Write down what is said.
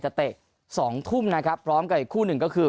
เตะสองทุ่มนะครับพร้อมกับอีกคู่หนึ่งก็คือ